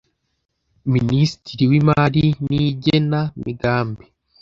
minisitiri wimari nigena migambi